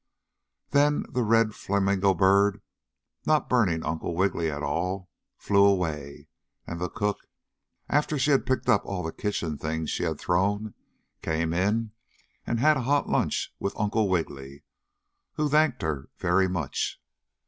Then the red flamingo bird, not burning Uncle Wiggily at all, flew away, and the cook, after she had picked up all the kitchen things she had thrown, came in and had a hot lunch with Uncle Wiggily, who thanked her very much.